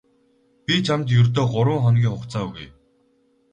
Би чамд ердөө гурав хоногийн хугацаа өгье.